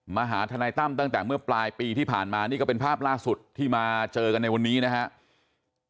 มาหาทนายตั้มตั้งแต่เมื่อปลายปีที่ผ่านมานี่ก็เป็นภาพล่าสุดที่มาเจอกันในวันนี้นะครับ